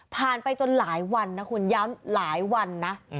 ไปจนหลายวันนะคุณย้ำหลายวันนะ